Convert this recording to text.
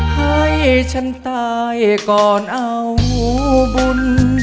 ให้ฉันตายก่อนเอาบุญ